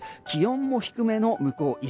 気温も低めの向こう